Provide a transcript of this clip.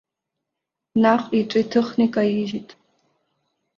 Наҟ иҿы иҭыхны икаижьит.